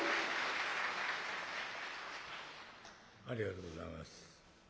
ありがとうございます。